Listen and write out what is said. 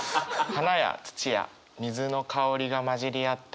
「花や土や水の香りがまじりあった」。